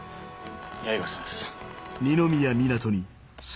八重樫さんです。